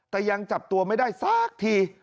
แต่ยังจับตัวไม่ได้สักที